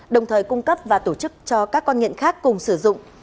đồng thời cung cấp và tổ chức cho các con nghiện khác cùng sử dụng